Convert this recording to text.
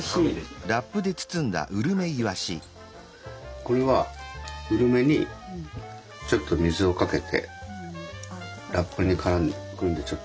これはうるめにちょっと水をかけてラップにくるんでちょっと。